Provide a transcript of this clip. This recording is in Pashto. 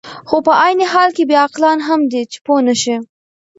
خو په عین حال کې بې عقلان هم دي، چې پوه نه شي.